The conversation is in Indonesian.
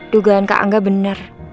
dugaan kak angga bener